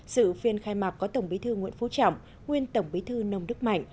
sự phiên khai mạc có tổng bí thư nguyễn phú trọng nguyên tổng bí thư nông đức mạnh